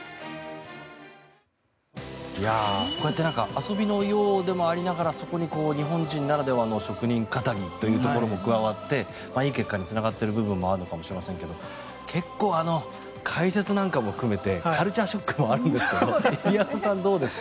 こうやって遊びのようでもありながらそこに日本人ならではの職人気質というのも加わっていい結果につながっている部分もあるのかもしれませんが結構、解説なんかも含めてカルチャーショックもあるんですが入山さんどうですか？